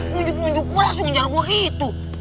mundur mundur gue langsung ngejar gue gitu